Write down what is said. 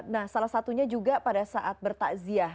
nah salah satunya juga pada saat bertakziah